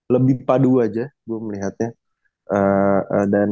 lebih padu aja gue melihatnya